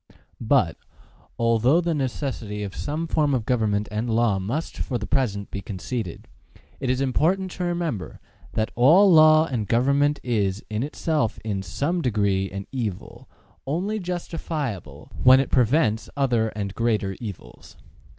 But, although the necessity of some form of government and law must for the present be conceded, it is important to remember that all law and government is in itself in some degree an evil, only justifiable when it prevents other and greater evils.